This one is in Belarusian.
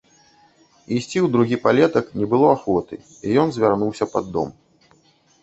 Ісці ў другі палетак не было ахвоты, і ён завярнуўся пад дом.